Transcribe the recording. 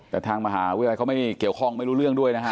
แต่ทางมหาวิทยาลัยเขาไม่เกี่ยวข้องไม่รู้เรื่องด้วยนะฮะ